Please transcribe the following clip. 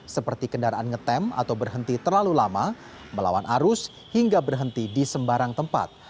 seperti kendaraan ngetem atau berhenti terlalu lama melawan arus hingga berhenti di sembarang tempat